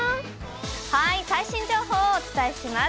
最新情報をお伝えします。